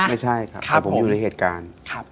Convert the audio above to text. ไม่ใช่ครับแต่ผมอยู่ในเหตุการณ์